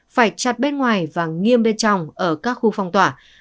phải chặt bên ngoài và nghiêm bên trong ở các khu phong tỏa